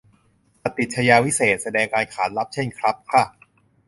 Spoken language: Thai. ประติชญาวิเศษณ์ แสดงการขานรับ เช่น ครับ ค่ะ